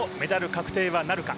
確定はなるか。